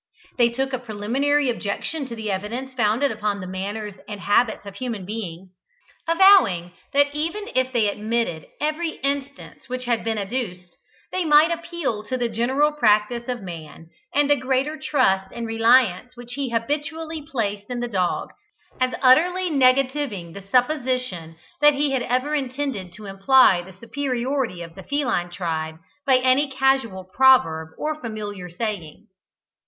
They took a preliminary objection to the evidence founded upon the manners and habits of human beings; avowing that even if they admitted every instance which had been adduced, they might appeal to the general practice of man, and the greater trust and reliance which he habitually placed in the dog, as utterly negativing the supposition that he had ever intended to imply the superiority of the feline tribe by any casual proverb or familiar saying.